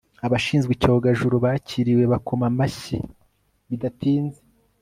abashinzwe icyogajuru bakiriwe bakoma amashyi bidatinze